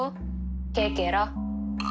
ケケラ。